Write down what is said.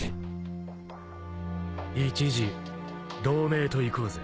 一時同盟といこうぜ。